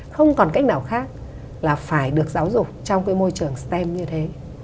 không còn cách nào khác là phải được giáo dục trong cái môi trường stem như thế